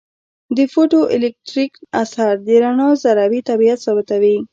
د فوټو الیټکریک اثر د رڼا ذروي طبیعت ثابتوي.